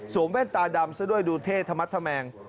แว่นตาดำซะด้วยดูเท่ธรรมธแมง